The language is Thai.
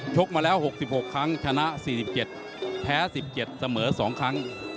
กมาแล้ว๖๖ครั้งชนะ๔๗แพ้๑๗เสมอ๒ครั้ง